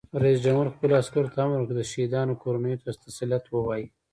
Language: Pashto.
رئیس جمهور خپلو عسکرو ته امر وکړ؛ د شهیدانو کورنیو ته تسلیت ووایئ!